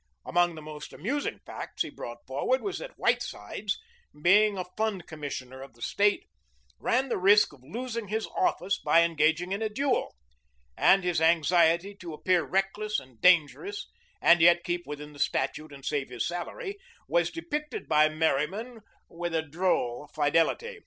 Among the most amusing facts he brought forward was that Whitesides, being a Fund Commissioner of the State, ran the risk of losing his office by engaging in a duel; and his anxiety to appear reckless and dangerous, and yet keep within the statute and save his salary, was depicted by Merryman with a droll fidelity.